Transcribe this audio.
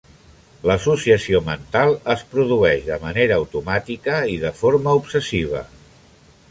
L'associació mental es produeix de manera automàtica i de forma obsessiva.